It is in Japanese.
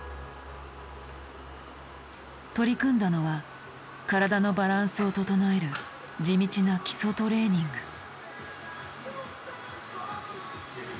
取り組んだのは体のバランスを整える地道な基礎トレーニング。